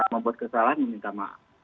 membuat kesalahan meminta maaf